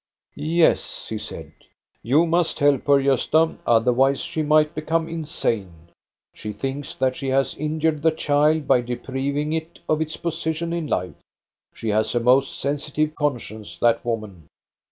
Yes," he said, " you must help her, Gosta, other wise she might become insane. She thinks that she has injured the child by depriving it of its position in life. She has a most sensitive conscience, that woman."